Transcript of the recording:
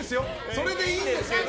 それでいいんですけど。